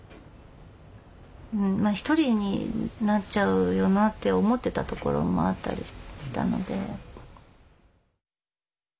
まあ１人になっちゃうよなって思ってたところもあったりしたので。